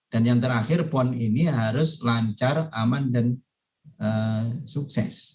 dan yang terakhir pon ini harus lancar aman dan sukses